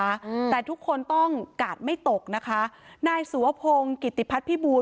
อืมแต่ทุกคนต้องกาดไม่ตกนะคะนายสุวพงศ์กิติพัฒนภิบูร